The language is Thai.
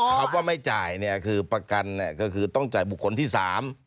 เขาว่าไม่จ่ายประกันคือต้องจ่ายบุคคลที่สาม